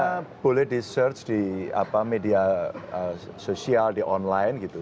karena boleh di search di media sosial di online gitu